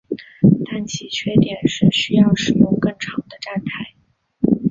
但其缺点是需要使用更长的站台。